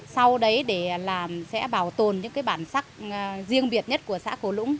sau đấy sẽ bảo tồn những bản sắc riêng biệt nhất của xã cổ lũng